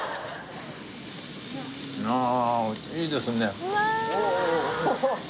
ああいいですね